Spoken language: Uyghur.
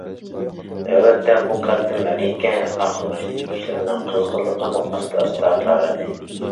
نۆۋەتتە، بۇ« كاتتا مەرىكە» ئاخىرلاشتى، كىشىلەرنىڭ قىزغىنلىقىمۇ ئاستا- ئاستا تارىدى.